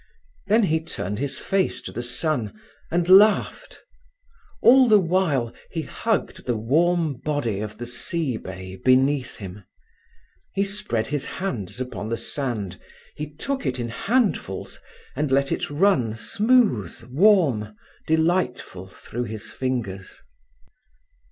Then he turned his face to the sun, and laughed. All the while, he hugged the warm body of the sea bay beneath him. He spread his hands upon the sand; he took it in handfuls, and let it run smooth, warm, delightful, through his fingers.